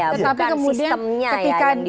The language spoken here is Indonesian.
tetapi kemudian ketika